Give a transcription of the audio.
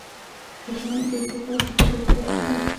د زعفرانو پیاز څو کاله په ځمکه کې پاتې کیږي؟